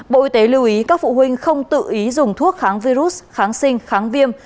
bộ y tế lưu ý các phụ huynh không tự ý dùng thuốc kháng virus kháng sinh kháng viêm